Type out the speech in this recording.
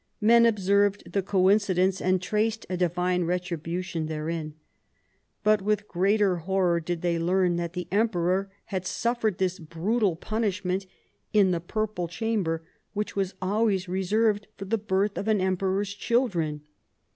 Men observed the coincidence and traced a divine retri bution therein. But with greater horror did they learn that the emperor had suffered this brutal pun ishment in the Purple Chamber which was always reserved for the birth of an emperor's children.